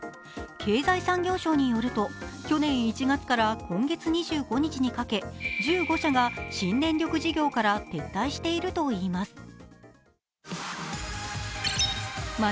経済産業省よると、去年１月から今月２５日にかけ、１５社が新電力事業から撤退しているといいます。